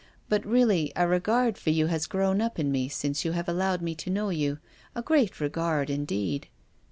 But, really, a regard for you has grown up in me since you have allowed mc to know you — a great regard indeed."